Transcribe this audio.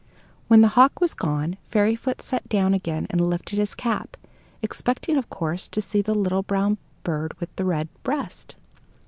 When the hawk was gone, Fairyfoot sat down again and lifted his cap, expecting, of course, to see the brown bird with the red breast.